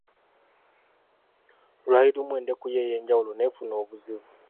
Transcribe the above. Lwali lumu endeku ye ey'enjawulo n'efuna obuzibu.